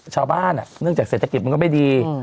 เนื่องจากเศรษฐกิจมันก็ไม่ดี